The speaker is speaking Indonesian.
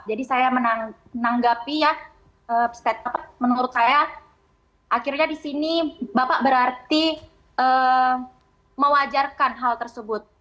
jadi saya menanggapi ya menurut saya akhirnya di sini bapak berarti mewajarkan hal tersebut